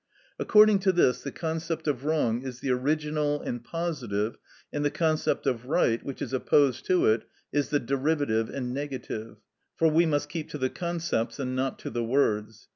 According to this, the concept of wrong is the original and positive, and the concept of right, which is opposed to it, is the derivative and negative; for we must keep to the concepts, and not to the words.